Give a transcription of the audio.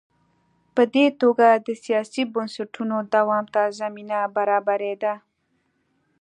په دې توګه د سیاسي بنسټونو دوام ته زمینه برابرېده.